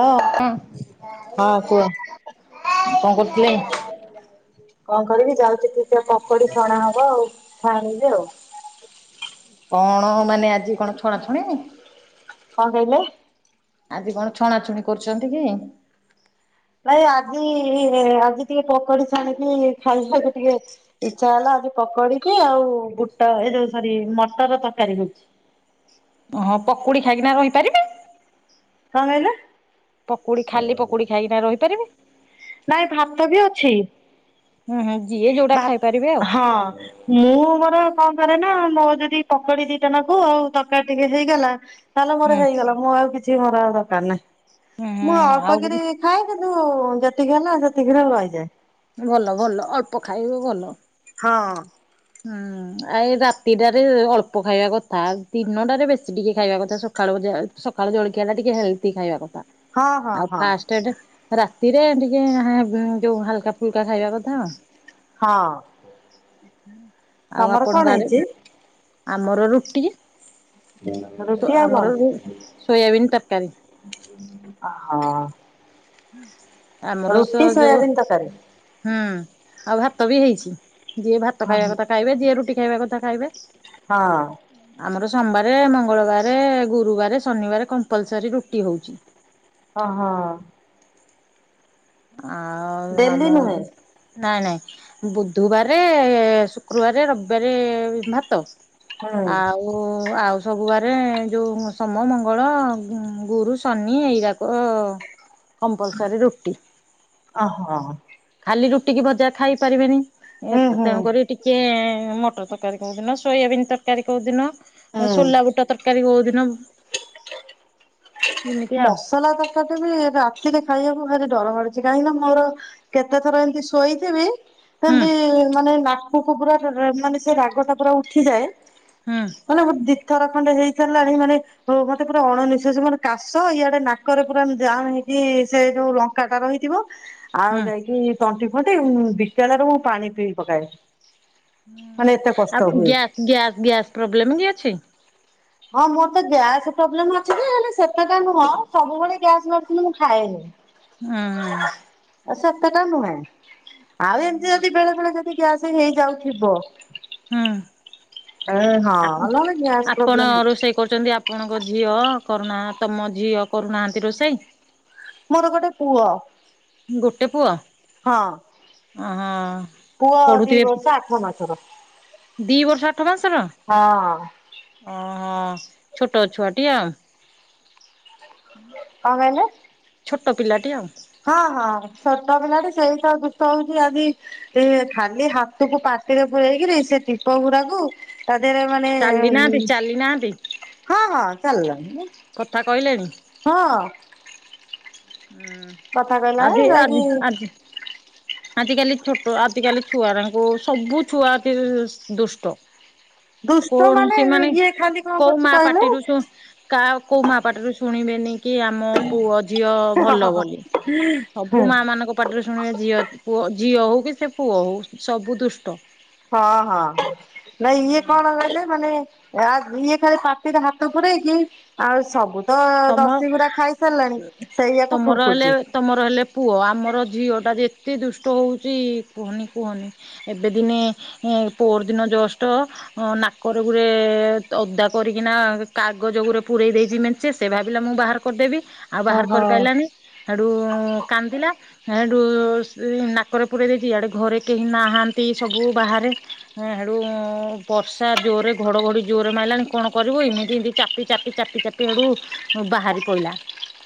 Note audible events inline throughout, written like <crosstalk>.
Hello ହଁ କୁହ। କଣ କରିବି ଯାଉଚି ଟିକେ ପକୋଡି ଛଣା ହବ ଆଉ ଖାଇବି ଆଉ। କଣ ମାନେ ଆଜି କଣ ଛଣା ଛଣି? କଣ କହିଲେ? ଆଜି କଣ ଛଣାଛଣି କରୁଚନ୍ତି କି? ନାଇ ଆଜି ଆଜି ଟିକେ ପକୋଡି ଛାଣିକି ଖାଇଥାନ୍ତି ଟିକେ ଇଛା ହେଲା ଆଜି ପକଡିକି ଆଉ ବୁଟ ଏ ଯୋଉ ସରି ମଟର ତରକାରୀ ହେଉଛି। ହଁ ପକୁଡି ଖାଇକି ରହିପାରିବେ? କଣ କହିଲେ? ପକୁଡି ଖାଲି ପକୁଡି ଖାଇକିନା ରହିପାରିବେ? ନାଇଁ ଭାତ ବି ଅଛି ହୁଁ ହୁଁ ଯିଏ ଯୋଉଟା ଭା ଖାଇପାରିବେ ଆଉ ହଁ। ମୁଁ ମୋର କଣ କରେ ନା ମୋ ଯଦି ପକଡି ଦିଟାନାଖୁ ଆଉ ତରକାରୀ ଟିକେ ହେଇଗଲା ତାହେଲେ ମୋର ହୁଁ ହେଇଗଲା ମୁଁ ଆଉ କିଛି ମୋର ଆଉ ଦରକାର ହୁଁ ନାହିଁ ହୁଁ ମୁଁ ଅଳ୍ପ ଆଉ କିରି ଖାଏ କିନ୍ତୁ ଯେତିକି ହେଲା ସେତିକିରେ ରଇଯାଏ। ଭଲ ଭଲ ଅଳ୍ପ ଖାଇବୁ ଭଲ। ହଁ। ହାଁ। ଆ ଏଇ ରାତିଟାରେ ଅଳ୍ପ ଖାଇବା କଥା ଦିନଟାରେ ବେଶୀ ଟିକେ ଖାଇବା କଥା ସକାଳୁ ଯାହା ହେଲେ ସକାଳୁ ଜଳଖିଆଟା ଟିକେ ହେଲ୍ଦି ଖାଇବା କଥା ହଁ ହଁ ଆଉ ହଁ ଫାଷ୍ଟ ଟେଟ୍‌ ରାତିରେ ଟିକେ ଯୋଉ ହାଲକା ଫୁଲକା ଖାଇବା କଥା। ହଁ। ଆଉ ତମର ଆପଣକଂ କଣ ଆଡେ ହେଇଛି? ଆମର ରୁଟି। ତୋ ରୁଟି ଆଉ ଆମର ସୋୟାବିନ୍ ତରକାରୀ। ହଁ। ଆମର ସ ଯୋଉ ସୋୟାବିନ୍ ତରକାରୀ। ହୁଁ ଆଉ ଭାତ ବି ହେଇଛି ଯିଏ ଭାତ ହଁ ଖାଇବା କଥା ଖାଇବେ ଯିଏ ରୁଟି ଖାଇବା କଥା ଖାଇବେ। ହଁ। ଆମର ସୋମବାରେ ମଙ୍ଗଳବାରେ ଗୁରୁବାରେ ଶନିବାରେ କମ୍ପଲସରୀ ରୁଟି ହଉଛି। ହଁ ହଁ। ଆଉ ଉ ଆମ ଡେଲି ନୁହେଁ ନାଇଁ ନାଇଁ ବୁଧୁବାରେ ଶୁକ୍ରବାରେ ରବିବାରେ ଭାତ। ହୁଁ ଆ ଉ ଓ ଆଉ ସବୁବାରେ ଯୋଉ ସୋମୋ ମଙ୍ଗଳ ଗୁରୁ ଶନି ଏଇ ରାକ କମ୍ପଲସରି ରୁଟି ଓହୋଃ। ଖାଲି ରୁଟି କି ଭଜା ଖାଇ ପାରିବେନି ହୁଁ ହୁଁ ତେଣୁ କରି ଟିକେ ମଟର ତରକାରୀ କୋଉ ଦିନ ସୋୟାବିନ୍ ତରକାରୀ କୋଉ ଦିନ ହୁଁ। ସୋଲା ବୁଟ ତରକାରୀ କୋଉ ଦିନ ଏମିତି ଆଉ ମସଲା ତରକାରୀଟା ବି ରାତିରେ ଖାଇବାକୁ ଭାରି ଡର ମାଡୁଛି କାହିଁକି ନା ମୋର କେତେଥର ଏମିତି ଶୋଇଥିବି ହୁଁ ସେମତି-ଇ-ଇ-ଇ ମାନେ ନାକକୁ ପୁରା ରେ ମାନେ ସେ ରାଗ ଫାଗ ଗୁରା ଉଠିଯାଏ। ହୁଁ ମାନେ ମୋ ଦି ଥର ଖଣ୍ଡେ ହେଇ ସାରିଲାଣି ମାନେ ମତେ ପୁରା ଅଣନିଃଶ୍ୱାସୀ ମାନେ କା ଶ ଏଆଡେ ନାକରେ ପୁରା ଜାମ୍ ହେଇକି ସେ ଯୋଉ ଲଙ୍କାଟା ରହିଥିବ ଆଉ ହୁଁ। ଯାଇକି ତଣ୍ଟି ଫଣ୍ଟି ବିକଳରେ ମୁଁ ପାଣି ପିଇ ପକାଏ। ମାନେ ଏତେ କଷ୍ଟ ଆ ହୁଏ। ଗ୍ୟା ଗ୍ୟାସ୍ ଗ୍ୟାସ୍ ପ୍ରୋବ୍ଲେମ କି ଅଛି? ହଁ ମୋର ତ ଗ୍ୟାସ୍ ପ୍ରୋବ୍ଲେମ୍ ଅଛି ଯେ ହେଲେ ସେତେଟା ନୁହଁ ସବୁବେଳେ ଗ୍ୟାସ୍ ମେଡିସିନ ମୁଁ ଖାଏନି। ହୁଁ ଉଁ-ଉଁ। ଆ ସେତେଟା ନୁହେଁ ଆଉ ଏମିତି ଯଦି ବେଳେବେେଳେ ଯଦି ଗ୍ୟାସ ହେଇ ଯାଉଥିବ ହୁଁ ଏ ହଁଅ-ଅ ଆଉ ନହେଲେ ଗ୍ୟାସ ଆପଣ ପ୍ରୋବ୍ଲେମ୍ <inaudible> ରୋଷେଇ କରୁଛନ୍ତି ଆପ୍ ଆପଣଙ୍କ ଝିଅ କରୁନା ତମ ଝିଅ କରୁନାହାନ୍ତି ରୋଷେଇ? ମୋର ଗୋଟେ ପୁଅ। ଗୋଟେ ପୁଅ? ହଁ। ଅଁ ହଁ ପୁଅ ଦି ପଢୁଥିବ୍ ବର୍ଷ ଆଠ ମାସର ହଁ ଦି ବର୍ଷ ଆଠ ମାସର? ଓହୋଃ ଛୋଟ ଛୁଆଟି ଆଉ। କଣ କହିଲେ? ଛୋଟ ପିଲାଟି ଆଉ। ହଁ-ହଁ, ଛୋଟ ପିଲାଟି ସେଇତ ଦୁଷ୍ଟ ହେଉଛି ଆଜି ସେ ଖାଲି ହାତକୁ ପାଟିରେ ପୁରେଇକିରି ସେ ଟିପଗୁରାକୁ ତା ଦିହରେ ମାନେ-ଏ-ଏ-ଏ ଚାଲି ନାହାନ୍ତି ଉଁ ଚାଲି ନାହାନ୍ତି ହଁ-ହଁ ଚାଲିଲାଣି। କଥା କହିଲେଣି? ହଁ। କଥା କହିଲା ହୁଁ-ଉଁ-ଉଁ ଆଜି ଯାଇକି ଆଜି ଆଜି ଆଜକାଲି ଛୋଟ ଆଜିକାଲି ଛୁଆରାଙ୍କୁ ସବୁ ଛୁଆ କି ଦୁଷ୍ଟ। ଦୁଷ୍ଟ କଣ ମାନେ ସେମାନେ ଇଏ ଖାଲି କଣ କୋଉ କରୁଛି ମାଆ କହିଲେ ପାଟିରୁ ଶୁ କା କୋଉ ମାଆ ପାଟିରୁ ଶୁଣିବେନି କି ଆମ ପୁଅ ଝିଅ ଭଲ ହଁ ହଁ ବୋଲି, ସବୁ ମାଆ ମାନଙ୍କ ପାଟିରୁ ଶୁଣିବେ ଝିଅ ପୁଅ ଝିଅ ହଉ କି ସେ ପୁଅ ହଉ ସବୁ ଦୁଷ୍ଟ। ହଁଅ-ହଁଅ। ନାଇଁ ଇଏ ହୁଁ। କଣ କହିଲେ ମାନେ ଆ ଇଏ ଖାଲି ପାଟିରେ ହାତ ପୁରେଇକି ଆଉ ସବୁ ତ ତମ ଦଶି ଗୁଡା ଖାଇ ସାରିଲାଣି ସେଇଆାକୁ ତମର ହେଲେ ଠୁଙ୍କୁଛି। ତମର ହେଲେ ପୁଅ ଆମର ଝିଅଟା ଯେତେ ଦୁଷ୍ଟ ହଉଛି କୁହନି-କୁହନି। ଏବେ ଦିନେ ଏଁ ପୋଅର ଦିନ ଜଷ୍ଟ୍ ଅଁ-ଅଁ ନାକରେ ଗୁରେ-ଏ-ଏ-ଏ ଓ ଓଦା କରିକିନା କାଗଜ ଗୁରେ ପୁରେଇଦେଇଚି ମେ ସେ, ସେ ଭାବିଲା ମୁଁ ବାହାର କରିଦେବି ଆଉ ବାହାର ଓହୋ କରି ପାଇଲାନି ହେଠୁ କାନ୍ଦିଲା। ହେଠୁ-ଉ-ଉ ସ୍ ନାକରେ ପୁରେଇ ଦେଇଚି ଇଆଡ଼େ ଘରେ କେହି ନାହାଁନ୍ତି ସବୁ ବାହାରେ। ହଁ ହେଟୁ ବର୍ଷା ଜୋରେ ଘଡଘଡି ଜୋରେ ମାଇଲାଣି କଣ କରିବୁ ଏମିତି ଏମିତି ଚାପି ଚାପି ଚାପି ଚାପି କେଡୁ ଅ ବାହାରି ପଇଲା।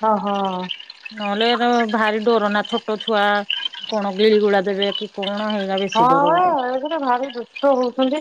ହଁ ହଁ। ନହେଲେ ଏରା ଭାରି ଡ଼ର ନା ଛୋଟ ଛୁଆ କଣ ଗିଳିଗୁଳା ଦେବେ କି କଣ ହେଇ ହଁ ପା <inaudible> ଭାରି ଦୁଷ୍ଟ ହୋଉଚନ୍ତି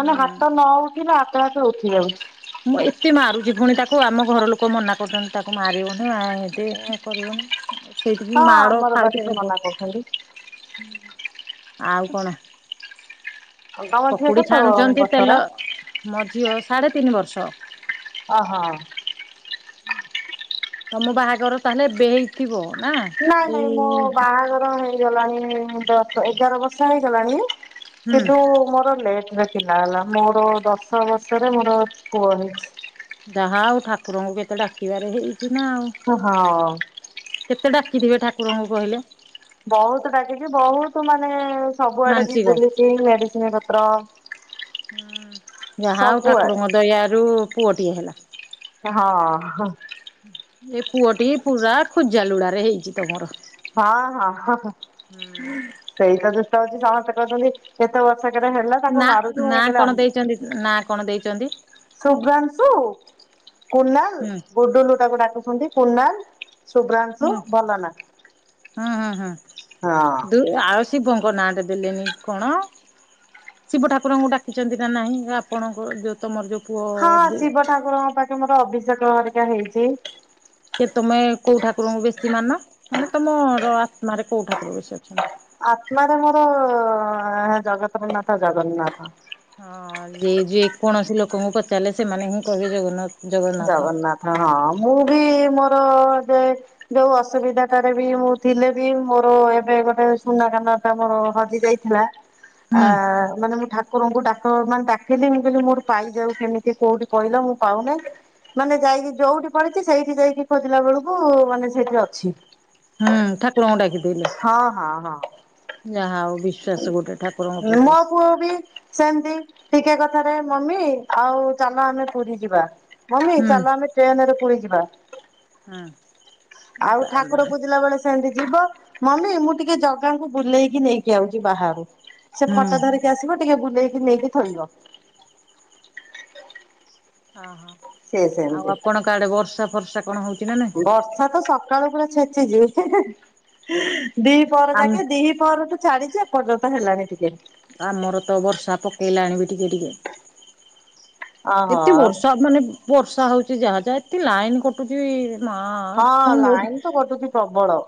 ମାନେ ହାତ ନ ଉଠିଲା ହାତ ଫାତ ଉଠି ଯାଉଚି। ମୁଁ ଏତେ ମାରୁଚି ପୁଣି ତାକୁ ଆମ ଘର ଲୁକ ମନା କରୁଚନ୍ତି ତାକୁ ମାରିବୁନି ଆ ଏମିତି ଏ କରିବୁନୀ। ସେଇଥି ରୁ ହଁ ମାଡ଼ ଆମର ବା ଖାଉଚି ସେଇ ପ୍ରବଳ। ମନା କରୁଛନ୍ତି। ଆଉ କଣ? ତମ ଝିଅ ପକୁଡ଼ି କେତେ ଛାଣୁଚନ୍ତି ବର୍ଷର? ତେଲ ମୋ ଝିଅ ସାଢେ ତିନି ବର୍ଷ। ଅ ହ। ତମ ବାହାଘର ତାହେଲେ ଏବେ ହେଇ ଥିବ ନା। ନାଇଁ ନାଇଁ ଏଇ ମୋ ବାହାଘର ହେଇ ଜଲାଣି ତ ଦଶ ଏଗାର ବର୍ଷ ହେଇଗଲାଣି ହୁଁ କିନ୍ତୁ ମୋର ଲେଟ୍ ରେ କି ନା ଲା ମୋର ଦଶ ବର୍ଷ ରେ ମୋର ପୁଅ ହେଇଚି। ଯାହା ଓଉ ଠାକୁରଙ୍କୁ କେତେ ଡାକିବାରେ ହେଇଛି ନା ଆଉ। ହଁହଁ। କେତେ ଡାକିଥିବେ ଠାକୁରଙ୍କୁ କହିଲେ। ବହୁତୁ ଡ଼ାକିଚି ବହୁତ ମାନେ ସବୁଆଡେ ବି ମାନସିକ। ବୁଲିଚି ମେଡିସିନ ପତ୍ର ଯାହା ହୋଉ ଠାକୁରଙ୍କ ସବୁଆଡେ ଦୟାରୁ ପୁଅଟିଏ ହେଲା। ହଁ ହଁ। ଏ ପୁଅଟିଏ ପୁରା ଖୁଜା ଲୁଡା ରେ ହେଇଚି ତମର। ହଁ ହଁ ହଁ ହୁଁ। ସେଇତ ଦୁଷ୍ଟ ହୋଉଚି ସମସ୍ତେ କହୁଚନ୍ତି କେତେ ବର୍ଷ କେରେ ହେଲା ତାକୁ ମାରୁଚୁ ମୁଁ କଇଲି ଅଁ ନାଁ କଣ ଦେଇଚନ୍ତି? ଶୁଭ୍ରାଂଶୁ କୁନାଲ୍ ହୁଁ ଗୁଡୁଲୁ ତାକୁ ଡାକୁଛନ୍ତି କୁନାଲ୍ ଶୁଭ୍ରାଂଶୁ ଭଲ ନାଁ। ହଁ ହଁ ହଁ ଦୁ ଆଉ ଶିବଙ୍କ ନାଁଟେ ଦେଲେନି କଣ? ଶିବ ଠାକୁରଙ୍କୁ ଡାକିଚନ୍ତି ନା ନାଇଁ ଆପଣଙ୍କୁ ଯୋଉ ତମର ଯୋଉ ପୁଅ ହଁ ଦି ଶିବ ଠାକୁରଙ୍କ ପାଖେ ମୋର ଅଭିଷେକ ଘରିକା ହେଇଚି। କେ ତମେ କୋଉ ଠାକୁରଙ୍କୁ ବେଶୀ ମାନ ମାନେ ତମର ଆତ୍ମାରେ କୋଉ ଠାକୁର ବେଶୀ ଅଛନ୍ତି। ଆତ୍ମାରେ ମୋର ଅଂ ଜଗତରନାଥ ଜଗନ୍ନାଥ। ହଁ ଯେ ଯେକୌଣସି ଲୋକଙ୍କୁ ପଚାରିଲେ ସେମାନେ ହିଁ କହିବେ ଜଗନ୍ନା ଜଗନ୍ନାଥ ହଁ ମୁଁ ବି ମୋର ଯେ ଯୋଉ ଅସୁବିଧାଟାରେ ବି ମୁଁ ଥିଲେ ବି ମୋର ଏବେ ଗୋଟେ ସୁନା କାନ ଟା ମୋର ହଜି ଯାଇ ଥିଲା ଆ ହୁଁ ମାନେ ମୁଁ ଠା ଠାକୁରଙ୍କୁ ଡାକ ମାନେ ଡାକିଲି ମୁଁ କହିଲି ମୋର ପାଇ ଯାଉ କେମିତି କୋଉଠି କହିଲ ମୁଁ ପାଉନେଇ। ମାନେ ଯାଇକି ଯୋଉଠି ପଡିଚି ସେଇଠି ସେଇଠି ଖୋଜିଲା ବେଳକୁ ମାନେ ସେଇଠିରେ ଅଛି। ହୁଁ ଠାକୁରଙ୍କୁ ଡାକି ଦେଇଲ। ହଁ ହଁ ହଁ। ଯାହା ହଉ ବିଶ୍ଵାସ ଗୋଟେ ଠାକୁରଙ୍କ ମୋ ପ୍ରତି। ପୁଅ ବି ସେମତି ଟିକେ କଥାରେ ମମି ଆଉ ଚାଲ ଆମେ ପୁରୀ ଯିବା। ମମି ହୁଁ ଚାଲ ଆମେ ଟ୍ରେନେରେ ପୁରୀ ଯିବା ହୁଁ ଆଉ ତାପରେ ଠାକୁର ପୂଜିଲା ବେଳେ ସେମିତି ଯିବ ମମି ମୁଁ ଟିକେ ଜଗାଙ୍କୁ ବୁଲେଇକି ନେଇକି ଆଉଚି ବାହାରୁ ସେ ହୁଁ ଫଟୋ ଧରି ଟିକେ ଆସିବ ଟିକେ ବୁଲେଇକି ନେଇକି ଥୋଇବ। ହଁ ହଁ ସେ ଆଉ ସେମିତି ଆପଣଙ୍କ ଆଡ଼େ ବର୍ଷା ଫର୍ଷା କଣ ହଉଚିନା ନା ନାଇଁ? ବର୍ଷାତ ସକାଳୁ ପୁରା ଛେଚିଚି ହିଁ ହିଁ ଦିହିପହର ଆମ ଯାକେ ଦିହି ପହରଠୁ ଛାଡ଼ିଚି ଏପର୍ଯ୍ୟନ୍ତ ହେଲାଣି ଟିକେ ଆମରତ ବର୍ଷା ପକେଇ ଲାଣିବି ଟିକେ ଟିକେ। ଓହୋ ଏତେ ବର୍ଷା ମାନେ ବର୍ଷା ହଉଚି ଯାହା ଯାହା ଏତେ ଲାଇନ୍ କଟୁଚିବି ମା ହଁ ପୁଣି ଲାଇନ୍ ତ କଟୁଚି ପ୍ରବଳ।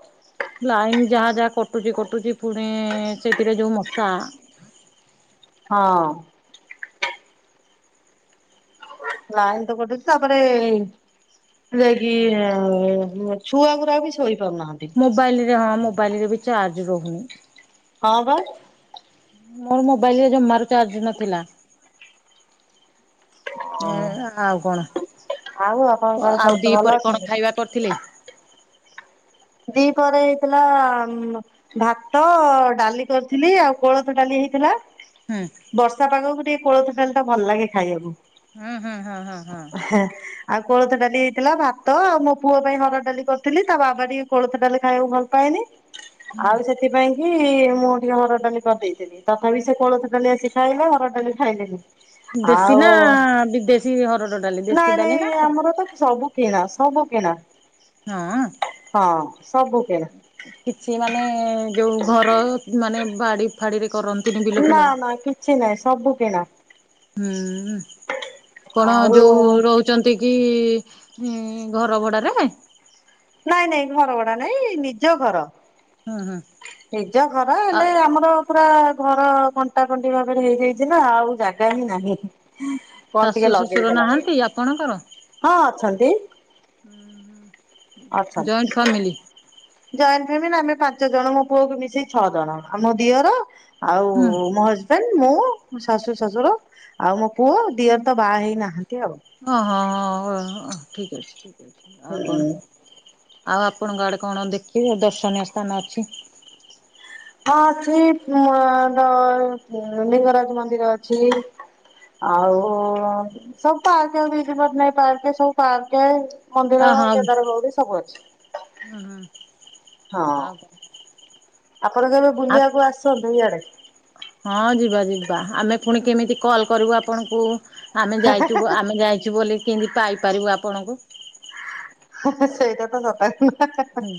ଲାଇନ୍ ଯାହା ଯାହା କଟୁଚି କଟୁଚି ପୁଣି ସେଥିରେ ଯୋଉ ମଶା ହଁ। ଲାଇନ୍ ତ କାଟୁଚି ତାପରେ ଯାଇକି ହଁ ମୁଁ ଛୁଆ ଗୁରାବି ଶୋଇପାରୁ ନାହାନ୍ତି। ମୋବାଇଲରେ ହଁ ମୋବାଇଲରେବି ଚାର୍ଜ ରହୁନି। ହଁ ପା। ମୋ ମୋବାଇଲରେ ଜମାରୁ ଚାର୍ଜ ନଥିଲା ହଁ ଏଁ ଆଉ କଣ ଆଉ ଆପଣଙ୍କ ଘରେ ଆଉ ସମସ୍ତେ ଭଲ ଦିହିପରେ କଣ ଅଛନ୍ତି? ଖାଇବା କରିଥିଲେ? ଦିହିପରେ ହେଇଥିଲା ଭାତ, ଡ଼ାଲି କରିଥିଲି ଆଉ କୋଳଥ ଡ଼ାଲି ହେଇଥିଲା। ହୁଁ। ବର୍ଷା ପାଗକୁ ଟିକେ କୋଳଥ ଡାଲିଟା ଭଲ ଲାଗେ ଖାଇବାକୁ। ହୁଁ ହୁଁ ହଁ ହଁ ହଁ। ହେଁ ଆଉ କୋଳଥ ଡାଲି ହେଇଥିଲା ଭାତ ଆଉ ମୋ ପୁଅ ପାଇଁ ହରଡ଼ ଡାଲି କରିଥିଲି ତା ବାବା ଟିକେ କୋଳଥ ଡାଲି ଖାଇବାକୁ ଭଲ ପାଏନି ହୁଁ। ଆଉ ସେଥ ସେଥିପାଇଁକି ମୁଁ ଟିକେ ହରଡ଼ ଡାଲି କରିଦେଇଥିଲି ତଥାପିସେ କୋଳଥ ଡାଲି ଆସି ଖାଇଲେ ହରଡ଼ ଡାଲି ଖାଇଲେନି। ଦେଶୀ ଆଉ ନା ବିଦେଶୀ ହରଡ଼ ଡାଲି ଦେଶୀ ନାଇଁ ଡାଲି ନା ନାଇଁ କଣ? ଆମରତ ସବୁ କିଣା ସବୁ କିଣା। ହଁ। ହଁ ସବୁ କିଣା କିଛି ମାନେ ଯୋଉ ଘର ମାନେ ବାଡ଼ି ଫାଡ଼ିରେ କରନ୍ ନାଁ ନାଁ କିଛି ନାହିଁ ସବୁ କିଣା। ହୁଁ କଣ ଯୋଉ ଆଉ ରହୁଚି ଛନ୍ତିକି ଘର ଭଡ଼ାରେ? ନାଇଁ ନାଇଁ ଘର ଭଡ଼ା ନାଇଁ ନିଜ ଘର। ହୁଁ ହୁଁ‌ ନିଜ ଘର ହେଲେ ଆମର ପୁରା ଘର କଣ୍ଟା କଣ୍ଟି ଭାବରେ ହେଇଯାଇଚିନା ଆଉ ଜାଗାହିଁ ନାହିଁ। କଣ ଶାଶୁ ଟିକେ ଶ୍ୱଶୁର ଲଗେଇଦେଲା ନାହାନ୍ତି ହଁ ଅଛନ୍ତି। ଉଁ ହୁଁ ଅଛନ୍ତି। Joint family? ଜଏଣ୍ଟ ଫ୍ୟାମିଲି ଆମେ ପାଞ୍ଚ ଜଣ ମୋ ପୁଅକୁୁ ମିଶେଇ ଛଅ ଜଣ ଆମ ଦିଅର ଆଉ ହୁଁ ମୋ ହଜବେଣ୍ଡ ମୁଁ ଶାଶୁ ଶଶୁର ଆଉ ମୋ ପୁଅ ଦିଅରେତ ବାହା ହେଇନାହାନ୍ତି ଆଉ। ଓହଁ ହଁ ଠିକ୍ ଅଛି ଠିକ୍ ଅଛି ଆଉ କଣ ହଁ ଆଉ ଆପଣଙ୍କ ଆଡ଼େ କଣ ଦେଖିବେ ଦର୍ଶନୀୟ ସ୍ଥାନ ଅଛି? ହଁ ଅଛି ପ ଉଁ ଲିଙ୍ଗରାଜ ମନ୍ଦିର ଅଛି। ଆଉ ସବୁ ପାର୍କ ବିଜୁ ପଟ୍ଟନାୟକ ପାର୍କ ସବୁ ପାର୍କେ ଆ ମନ୍ଦିର କେଦାର ଗୌରୀ ସବୁ ଅଛି। ହଁ ହ। ହଁ। ଆପଣ କେବେ ବୁଲିବାକୁ ଆସୁଛନ୍ତି ଇଆଡେ? ହଁ ଯିବା ଯିବା ଆମେ ପୁଣି କେମିତି କଲ କରିବୁ ଆପଣଙ୍କୁ? ଆମେ ଯାଇଛୁ ଆମେ ଯାଇଛୁ ବୋଲି କେମିତି ପାଇପାରିବୁ ଆପଣଙ୍କୁ? ହାହା ସେଇଟା ତ ସତ ହାହା ହୁଁ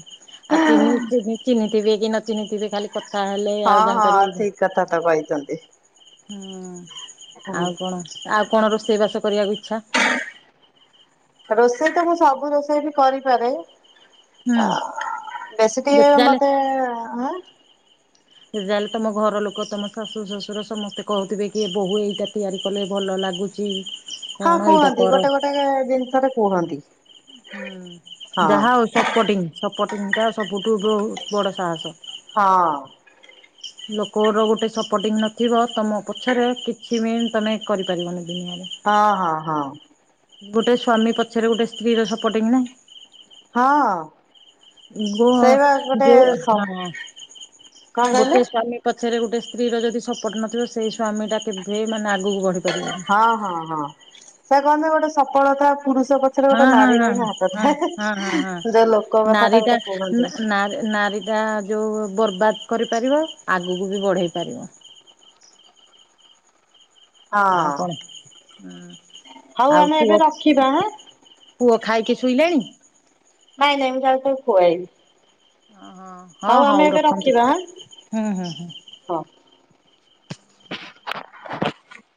ଆଉ ଚିନି ଚିନି ଚିହ୍ନିଥିବେ କି ନ ଚିହ୍ନିଥିବେ ଖାଲି କଥା ହେଲେ ଆଉ ହଁ ହଁ ଜାଣିପାରିବେନି। ଠିକ କଥା ତ କହିଛନ୍ତି ହୁଁ ଆଉ କଣ ଆଉ କଣ ରୋଷେଇ ବାସ କରିବାକୁ ଇଚ୍ଛା? ରୋଷେଇ ତ ମୁଁ ସବୁ ରୋଷେଇ ବି କରିପାରେ। ହୁଁ ଅ ବେଶୀ ଟିକେ ଯେତେ ଯାହେଲେ ମତେ ହଁ ସେ ଯା ହେଲେ ତମ ଘର ଲୋକ ତମ ଶାଶୁ ଶ୍ୱଶୁର ସମସ୍ତେ କହୁଥିବେ କି ବୋହୂ ଏଇଟା ତିଆରି କଲେ ଭଲ ଲାଗୁ ଛି ହଁ କୁହନ୍ତି ଗୋଟେ ଗୋଟେ ଜିନିଷ ରେ କୁହନ୍ତି। ହୁଁ ହଁ ଯାହା ଆଉ ସପୋଟିଂ ସପୋଟିଂ ଟା ସବୁଠୁ ବହୁତ ବଡ ସାହସ। ହଁ। ଲୋକର ଗୋଟେ ସପୋର୍ଟିଂ ନଥିବ ତମ ପଛରେ କିଛି ବି ତମେ କରିପାରିବନି ଦୁନିଆରେ। ହଁ ହଁ ହଁ। ଗୋଟେ ସ୍ଵାମୀ ପଛରେ ଗୋଟେ ସ୍ତ୍ରୀର ସପୋର୍ଟଂ ନାହିଁ। ହଁ। ଗୋହ ସେଇ ବା ଗୋଟେ ଯୋଉ ହଁ କଣ କହିଲେ? ଗୋଟେ ସ୍ୱାମୀ ପଛରେ ଗୋଟେ ସ୍ତ୍ରୀ ର ଯଦି ସପୋର୍ଟ ନଥିବ ସେଇ ସ୍ୱାମୀ ଟା କେବେ ମାନେ ଆଗକୁ ବଢିି ହଁ ହଁ ହଁ ସେ କହନ୍ତିୁ ଗୋଟେ ସଫଳତା ପୁରୁଷ ପ ଛରେ ହଁ ଗୋଟେ ହଁ ନାରୀ ର ହଁ ହି ହାତ ହଁ ଥାଏ, ହଁ ହଁ ହଁ ଯୋଉ ଲୋକ କଥା ଟା ନାରୀଟା ଗୋଟେ କୁହନ୍ତି। ନାରୀ ନାରୀ ଯା ଯୋଉ ବର୍ବାଦ କରିପାରିବ ଆଗକୁ ବି ବଢ଼େଇ ପାରିବ। ଆଉ ହଁ କଣ ହୁଁ ହଉ ଆଉ ଆମେ ଏବେ ପୁଅ ରଖିବା ହାଁ। ପୁଅ ଖାଇକି ଶୋଇଲାଣି? ନାଇଁ ନାଇଁ ମୁଁ ଯାଉଚି ଖୁଆଇବି। ଅହଁ ହଁ ହଉ ଆମେ ଏବେ ରଖନ୍ତୁ, ରଖିବା ହାଁ ହୁଁ ହୁଁ ହୁଁ। ହଁ।